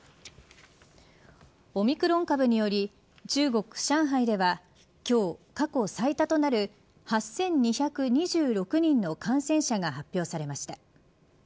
オミクロン株により中国上海では今日過去最多となる８２２６人の感染者が発表されました。